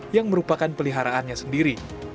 yang merupakan peliharaannya sendiri